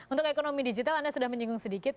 untuk ekonomi digital anda sudah menyinggung sedikit